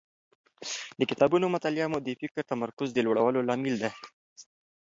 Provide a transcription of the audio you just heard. د کتابونو مطالعه مو د فکري تمرکز د لوړولو لامل دی.